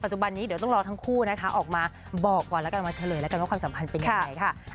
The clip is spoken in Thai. ปัจจุบันนี้เดี๋ยวต้องรอทั้งคู่นะค่ะออกมาบอกกว่าแล้วกันมาเฉลยว่าความสัมพันธ์เป็นอย่างไรค่ะ